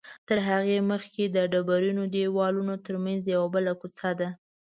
تر هغې مخکې د ډبرینو دیوالونو تر منځ یوه بله کوڅه ده.